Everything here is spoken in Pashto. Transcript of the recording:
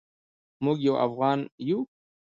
موږ یو افغان یو.